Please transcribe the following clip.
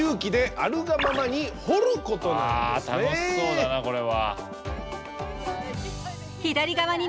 あ楽しそうだなこれは。